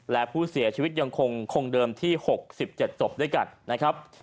และผู้เสียชีวิตยังคงเดิมที่๖๗ศพด้วยกันนะครับ